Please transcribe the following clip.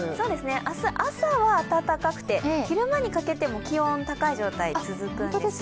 明日、朝は暖かくて、昼間にかけても気温が高い状態が続くんですよ。